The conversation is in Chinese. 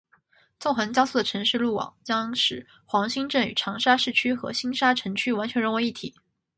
纵横交错的城市路网将使黄兴镇与长沙市区和星沙城区完全融为一体。